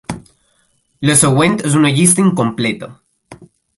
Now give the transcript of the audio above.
La següent és una llista incompleta.